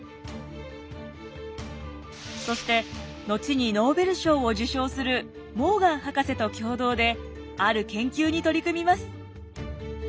そして後にノーベル賞を受賞するモーガン博士と共同である研究に取り組みます。